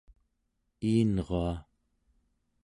iinrua